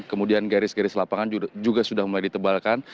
kemudian garis garis lapangan juga sudah mulai ditebalkan